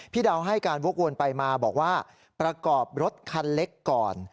ดาวให้การวกวนไปมาบอกว่าประกอบรถคันเล็กก่อน